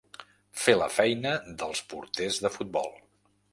Fer la feina dels porters de futbol.